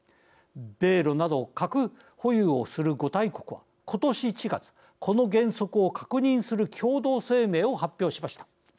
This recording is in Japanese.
米ロなど核保有をする五大国は今年１月、この原則を確認する共同声明を発表しました。